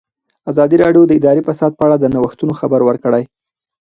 ازادي راډیو د اداري فساد په اړه د نوښتونو خبر ورکړی.